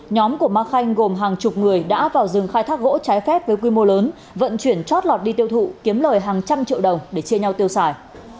nhóm của ma khanh gồm hàng chục người đã vào rừng khai thác gỗ trái phép với quy mô lớn vận chuyển chót lọt đi tiêu thụ kiếm lời hàng trăm triệu đồng để chia nhau tiêu xài